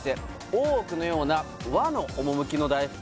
「大奥のような和の趣の大福に」